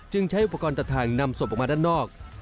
ใช้อุปกรณ์ตัดทางนำศพออกมาด้านนอก